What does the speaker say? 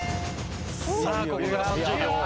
さあここから３０秒。